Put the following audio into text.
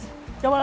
oke lumayan lah ya